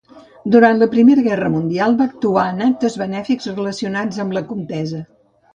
Durant la Primera Guerra Mundial va actuar en actes benèfics relacionats amb la contesa.